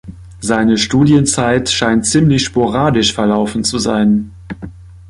Seine Studienzeit scheint ziemlich sporadisch verlaufen zu sein.